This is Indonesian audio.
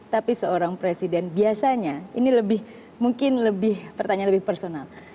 tapi seorang presiden biasanya ini mungkin pertanyaan lebih personal